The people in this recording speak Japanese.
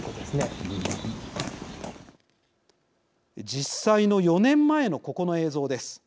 実際の４年前のここの映像です。